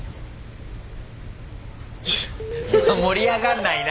盛り上がんないな！